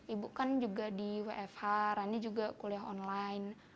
ibu kan juga di wfh rani juga kuliah online